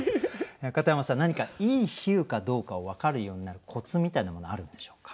片山さん何かいい比喩かどうかを分かるようになるコツみたいなものあるんでしょうか？